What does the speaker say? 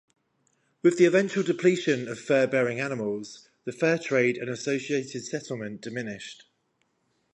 With the eventual depletion of fur-bearing animals, the fur trade and associated settlement diminished.